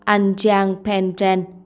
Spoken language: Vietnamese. anh chiang pei